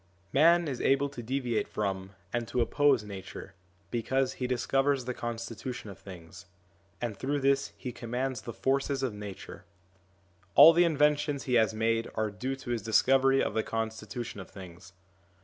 Man is able to deviate from and to oppose Nature, because he discovers the constitution of things, and through this he commands the forces of Nature ; all the inventions he has made are due to his dis covery of the constitution of things.